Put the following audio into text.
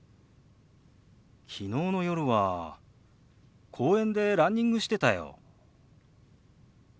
昨日の夜は公園でランニングしてたよ。